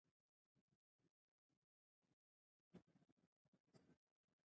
دماغ ته کمزورې برېښنايي څپې ورکول کېږي.